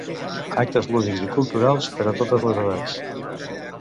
Actes lúdics i culturals per a totes les edats.